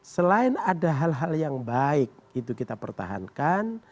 selain ada hal hal yang baik itu kita pertahankan